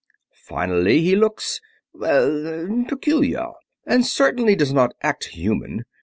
Finally, he looks well, peculiar and certainly does not act human.